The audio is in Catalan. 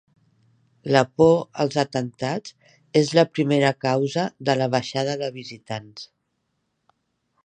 La por als atemptats és la primera causa de la baixada de visitants